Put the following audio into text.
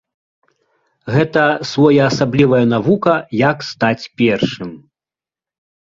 Гэта своеасаблівая навука, як стаць першым.